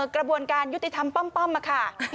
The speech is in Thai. กระบวนการยุติธรรมป้อมค่ะ